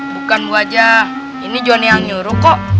bukan gua aja ini johnny yang nyuruh kok